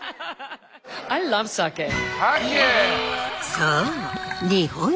そう。